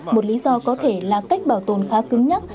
một lý do có thể là cách bảo tồn khá cứng nhắc